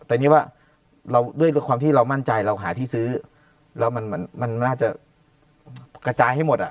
แต่นี่ว่าด้วยความที่เรามั่นใจเราหาที่ซื้อแล้วมันล่าจะกระจายให้หมด